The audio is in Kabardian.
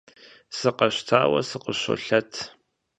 Сыкъэщтауэ сыкъыщолъэт.